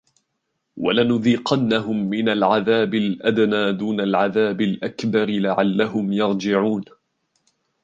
وَلَنُذِيقَنَّهُمْ مِنَ الْعَذَابِ الْأَدْنَى دُونَ الْعَذَابِ الْأَكْبَرِ لَعَلَّهُمْ يَرْجِعُونَ